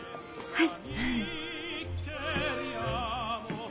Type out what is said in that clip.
はい。